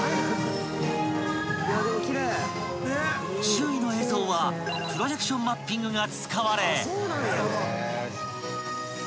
［周囲の映像はプロジェクションマッピングが使われ］